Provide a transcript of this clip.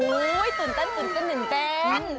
อู้ยตื่นเต้น